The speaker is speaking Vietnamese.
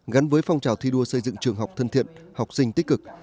gắn với phong trào thi đua xây dựng trường học thân thiện học sinh tích cực